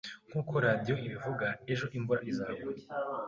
Nk’uko radiyo ibivuga, ejo imvura izagwa.